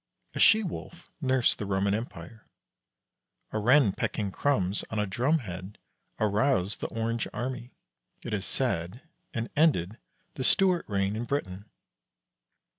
A She wolf nursed the Roman Empire. A Wren pecking crumbs on a drum head aroused the Orange army, it is said, and ended the Stuart reign in Britain.